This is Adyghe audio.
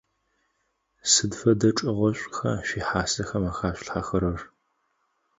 Сыд фэдэ чӏыгъэшӏуха шъуихьасэхэм ахашъулъхьэхэрэр?